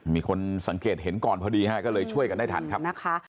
มีคนสังเกตเห็นก่อนพอดีฮะก็เลยช่วยกันได้ทันครับนะคะ